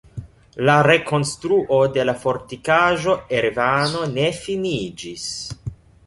La rekonstruo de la Fortikaĵo Erevano ne finiĝis.